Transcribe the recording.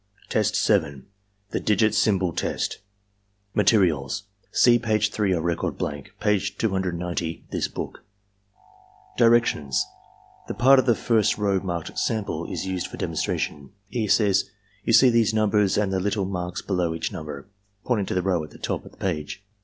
Test 7.— The Digit Symbol Test Materials, — See page 3 of record blank. Page 290, this book. Directions. — ^The part of the first row marked sample is used for demonstration. E. says: "Fow see these numbers and the little mark below each number (pointing to the row at the top of the page).